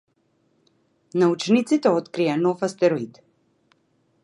Научниците открија нов астероид.